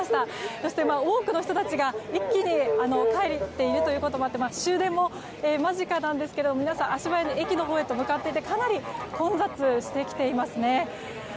そして、多くの人たちが一気に帰っているということもあって終電も間近ですが皆さん足早に駅へ向かっていてかなり混雑してきていますね。